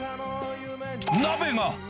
鍋が。